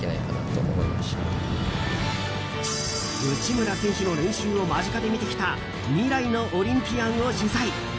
内村選手の練習を間近で見てきた未来のオリンピアンを取材。